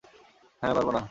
হ্যাঁ, পারব না।